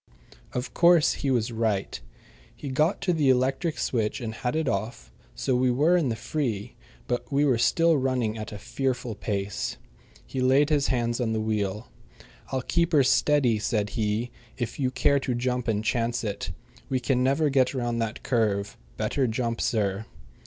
Of course he was right. He got to the electric switch and had it off, so we were in the free; but we were still running at a fearful pace. He laid his hands on the wheel. "I'll keep her steady," said he, "if you care to jump and chance it. We can never get round that curve. Better jump, sir."